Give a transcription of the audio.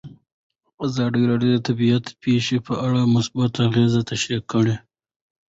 ازادي راډیو د طبیعي پېښې په اړه مثبت اغېزې تشریح کړي.